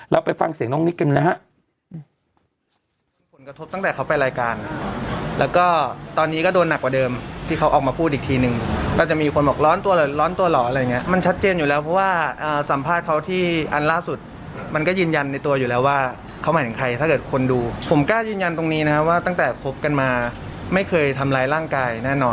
ไปฟังเสียงน้องนิกกันนะฮะ